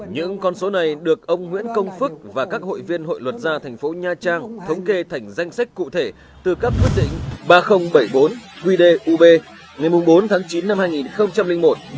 những con số này được ông nguyễn công phước và các hội viên hội luật gia thành phố nha trang thống kê thành danh sách cụ thể từ các quyết định ba nghìn bảy mươi bốn qdub ngày bốn tháng chín năm hai nghìn một